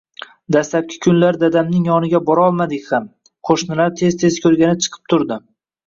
Dastlabki kunlari dadamning yoniga borolmadik ham, qoʻshnilar tez-tez koʻrgani chiqib turdi.